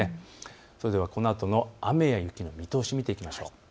それではこのあとの雨や雪の見通しを見ていきましょう。